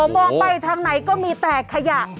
มองไปทางไหนก็มีแต่ขยะ